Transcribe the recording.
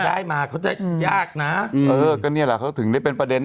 ได้มาเขาจะยากนะเออก็นี่แหละเขาถึงได้เป็นประเด็น